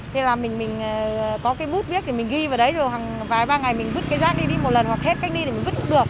thế là mình có cái bút viết thì mình ghi vào đấy rồi hàng vài ba ngày mình vứt cái rác đi đi một lần hoặc hết cách đi thì mình vứt cũng được